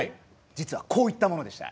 実はこういったものでした。